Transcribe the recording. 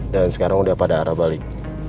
dan sekarang udah pada arah balik